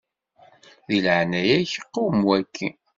Di leɛnaya-k qwem waki.